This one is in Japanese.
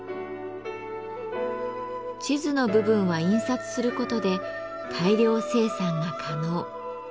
地図の部分は印刷することで大量生産が可能。